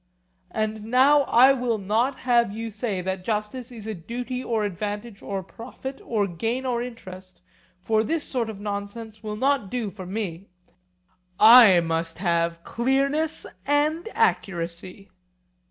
And now I will not have you say that justice is duty or advantage or profit or gain or interest, for this sort of nonsense will not do for me; I must have clearness and accuracy.